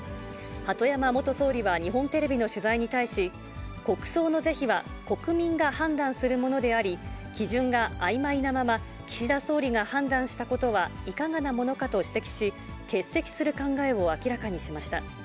鳩山元総理は日本テレビの取材に対し、国葬の是非は国民が判断するものであり、基準があいまいなまま、岸田総理が判断したことはいかがなものかと指摘し、欠席する考えを明らかにしました。